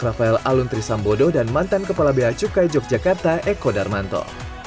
rafael aluntri sambodo dan mantan kepala bea cukai yogyakarta eko darmanto